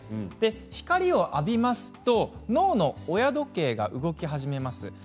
光を浴びますと脳の親時計が動き始めます。